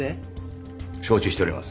承知しております。